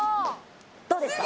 どうですか？